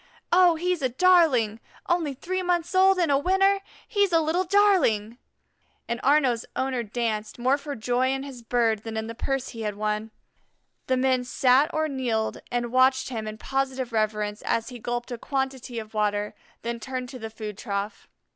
Oh, he's a darling; only three months old and a winner he's a little darling!" and Arnaux's owner danced, more for joy in his bird than in the purse he had won. The men sat or kneeled and watched him in positive reverence as he gulped a quantity of water, then turned to the food trough.